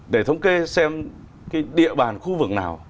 để thống kê xem cái địa bàn khu vực nào